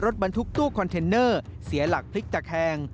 รถบรรทุกตู้คอนเทนเนอร์เสียหลักพลิกตะแคง